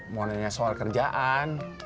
mau nanya soal kerjaan